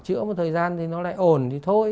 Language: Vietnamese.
chữa một thời gian thì nó lại ổn thì thôi